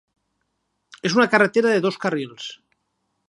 És una carretera de dos carrils.